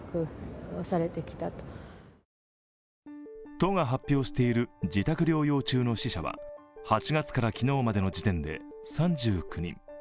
都が発表している自宅療養中の死者は８月から昨日までの時点で２９人。